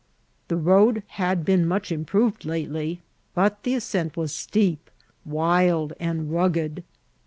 . The xoad had been much improved lately, but the ascent was steep, wild, and rugged.